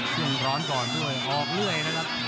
ซึ่งร้อนก่อนด้วยออกเรื่อยนะครับ